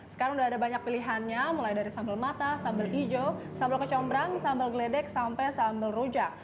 sekarang udah ada banyak pilihannya mulai dari sambal mata sambal hijau sambal kecombrang sambal geledek sampai sambal rujak